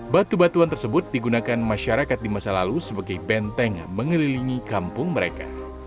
batu batuan tersebut digunakan masyarakat di masa lalu sebagai benteng mengelilingi kampung mereka